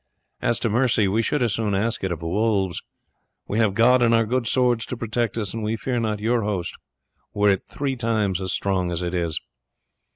As to mercy, we should as soon ask it of wolves. We have God and our good swords to protect us, and we fear not your host were it three times as strong as it is."